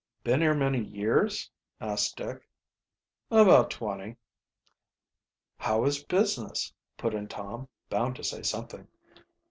"Been here many years?" asked Dick. "About twenty." "How is business?" put in Tom, bound to say something.